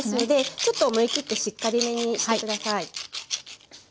ちょっと思い切ってしっかりめにして下さい。